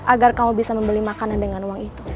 agar kamu bisa membeli makanan dengan uang itu